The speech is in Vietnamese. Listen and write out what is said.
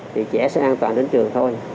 thì trẻ sẽ an toàn đến trường thôi